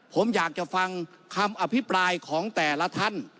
ผมอยากจะฟังคำอภิปรายของแต่ละท่าน